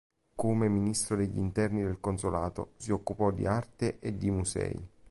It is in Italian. Come Ministro degli interni del Consolato si occupò di arte e di musei.